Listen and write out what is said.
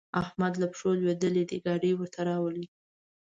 احمد له پښو لوېدلی دی؛ ګاډی ورته راولي.